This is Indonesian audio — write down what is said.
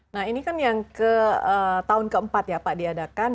nah ini kan yang ke tahun keempat ya pak diadakan